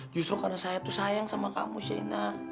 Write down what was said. justru karena saya tuh sayang sama kamu sheyna